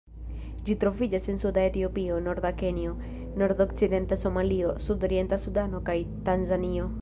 Ĝi troviĝas en suda Etiopio, norda Kenjo, nordokcidenta Somalio, sudorienta Sudano kaj Tanzanio.